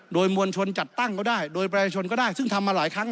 โดยมวลชนจัดตั้งก็ได้โดยประชาชนก็ได้ซึ่งทำมาหลายครั้ง